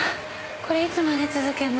これいつまで続けんの？